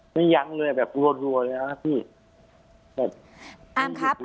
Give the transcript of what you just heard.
ไม่ยั้งเลยแบบรัวเลยนะครับพี่